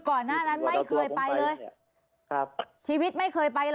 ก่อนที่ครับบางคนไม่เคยไปเลย